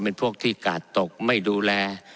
เป็นพวกที่กาดตกไม่ดูแล